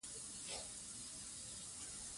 ښوونځي ته تلل د نجونو ذهنی وده ګړندۍ کوي.